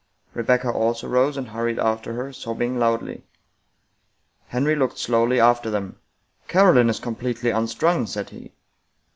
Re becca also rose and hurried after her, sobbing loudly. Henry looked slowly after them. " Caroline is completely unstrung," said he.